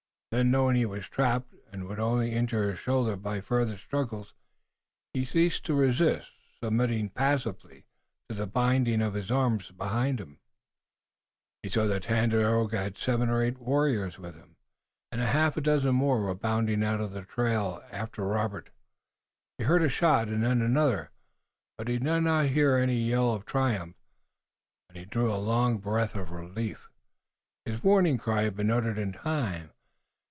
Then, knowing he was trapped and would only injure his shoulder by further struggles, he ceased to resist, submitting passively to the binding of his arms behind him. He saw that Tandakora had seven or eight warriors with him, and a half dozen more were bounding out on the trail after Robert. He heard a shot and then another, but he did not hear any yell of triumph, and he drew a long breath of relief. His warning cry had been uttered in time.